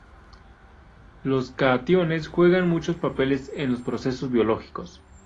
Los cationes juegan muchos papeles en los procesos biológicos.